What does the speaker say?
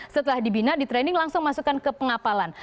setelah dibina di training langsung masukkan ke pengapalan